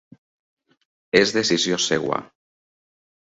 És decisió seva.